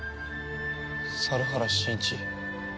猿原真一